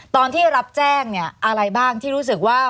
ตอนที่รับแจ้งเนี่ยอะไรบ้างที่รู้สึกว่า